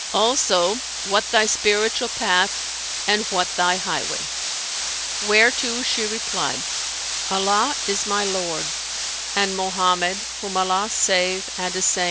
Also what thy spiritual path and what thy highway?" Whereto she replied, "Allah is my Lord, and Mohammed (whom Allah save and assain!)